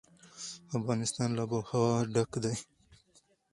افغانستان له آب وهوا ډک دی.